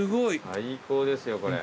最高ですよこれ。